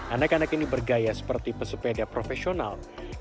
anak anak ini bergaya seperti pesepeda profesional